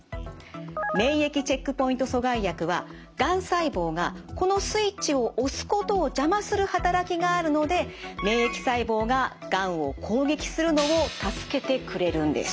免疫チェックポイント阻害薬はがん細胞がこのスイッチを押すことを邪魔する働きがあるので免疫細胞ががんを攻撃するのを助けてくれるんです。